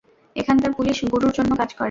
এখানকার পুলিশ গুরুর জন্য কাজ করে।